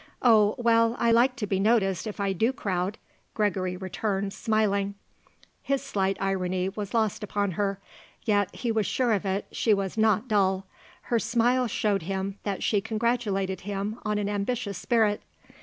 "Oh, well, I like to be noticed if I do crowd," Gregory returned smiling. His slight irony was lost upon her; yet, he was sure of it, she was not dull. Her smile showed him that she congratulated him on an ambitious spirit.